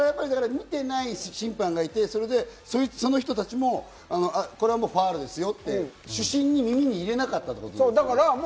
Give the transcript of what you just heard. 見てない審判がいて、その人たちもこれはファウルですよって主審に耳に入れなかったってことです。